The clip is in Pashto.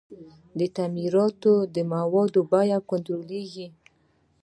د تعمیراتي موادو بیې کنټرولیږي؟